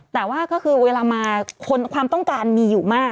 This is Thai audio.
แต่ว่าก็คือเวลามาความต้องการมีอยู่มาก